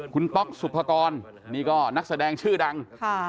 คุณป๊อกสุภกรนี่ก็นักแสดงชื่อดัง